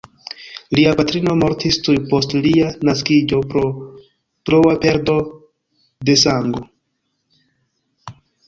Lia patrino mortis tuj post lia naskiĝo pro troa perdo de sango.